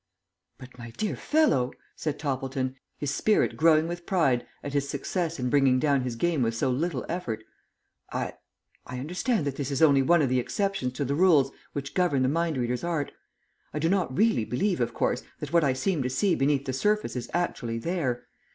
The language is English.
"But, my dear fellow," said Toppleton, his spirit growing with pride at his success in bringing down his game with so little effort, "I I understand that this is only one of the exceptions to the rules which govern the mind reader's art. I do not really believe, of course, that what I seem to see beneath the surface is actually there.